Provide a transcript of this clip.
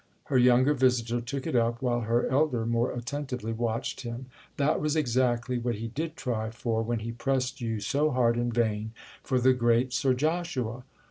—her younger visitor took it up while her elder more attentively watched him. "That was exactly what he did try for when he pressed you so hard in vain for the great Sir Joshua."